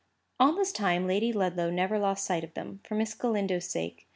All this time Lady Ludlow never lost sight of them, for Miss Galindo's sake.